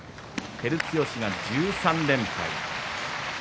照強１３連敗。